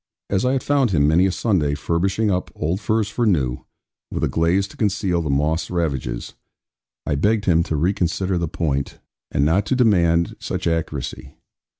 As I had found him many a Sunday, furbishing up old furs for new, with a glaze to conceal the moths' ravages, I begged him to reconsider the point, and not to demand such accuracy.